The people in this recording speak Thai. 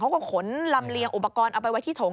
เขาก็ขนลำเลียงอุปกรณ์เอาไปไว้ที่ถง